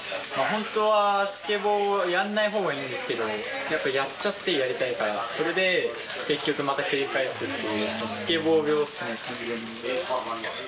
本当はスケボー、やんないほうがいいんですけど、やっぱやっちゃって、やりたいから、それで結局また繰り返すっていう、スケボー病っすね、完全に。